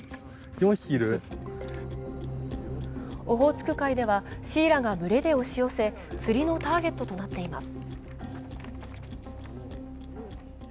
オホーツク海では、シイラが群れで押し寄せ、釣りのターゲットとなっています。